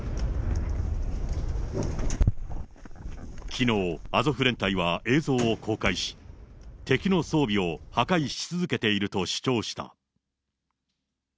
きのう、アゾフ連隊は映像を公開し、敵の装備を破壊し続けていると主張した。